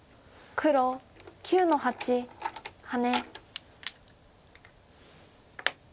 黒９の八ハネ。